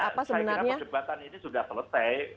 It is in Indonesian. apa sebenarnya saya kira perdebatan ini sudah selesai